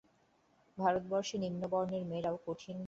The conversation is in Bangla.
ভারতবর্ষে নিম্নতম বর্ণের মেয়েরাও কোন কঠিন শ্রমসাধ্য কাজ করে না।